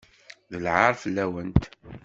D lɛaṛ fell-awent!